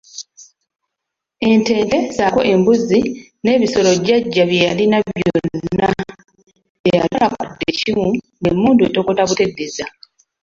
Ente nte ssaako embuzi n'ebisolo jjajja bye yalina byonna teyatwalako wadde ekimu ng'emmundu etokota buteddiza.